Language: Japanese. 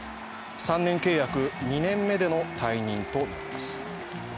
３年契約２年目での退任となります。